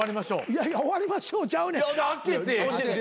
いやいや終わりましょうちゃうねん。